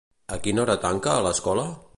A quina hora tanca l'escola?